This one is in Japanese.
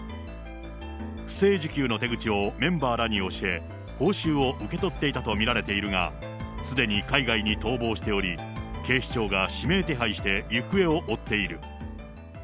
不正受給の手口をメンバーらに教え、報酬を受け取っていたと見られているが、すでに海外に逃亡しており、警視庁が指名手配して、行方を追っている。